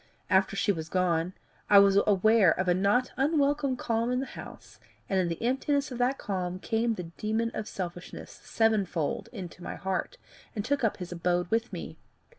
After she was gone, I was aware of a not unwelcome calm in the house, and in the emptiness of that calm came the demon of selfishness sevenfold into my heart, and took up his abode with me.